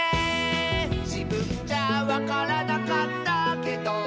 「じぶんじゃわからなかったけど」